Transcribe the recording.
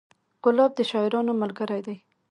ګلاب د شاعرانو ملګری دی.